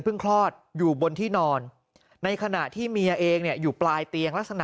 คลอดอยู่บนที่นอนในขณะที่เมียเองเนี่ยอยู่ปลายเตียงลักษณะ